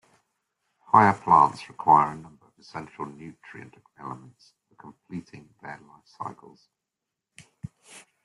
Higher plants require a number of essential nutrient elements for completing their life cycles.